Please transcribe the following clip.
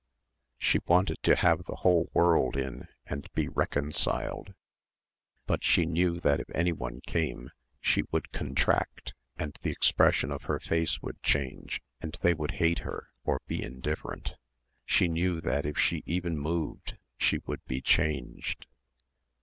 She wanted to have the whole world in and be reconciled. But she knew that if anyone came, she would contract and the expression of her face would change and they would hate her or be indifferent. She knew that if she even moved she would be changed.